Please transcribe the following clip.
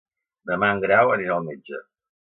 Demà en Grau anirà al metge.